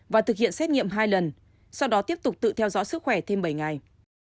và thực hiện xét nghiệm hai lần sau đó tiếp tục tự theo dõi sức khỏe thêm bảy ngày